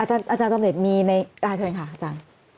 อาจารย์ต้อมเดชน์มีในอาจารย์ค่ะอาจารย์